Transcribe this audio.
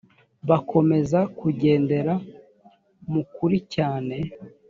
bakomeza kugendera mu kuri cyane